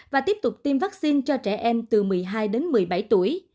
và tiếp tục tiêm vaccine cho trẻ em từ một mươi hai đến một mươi bảy tuổi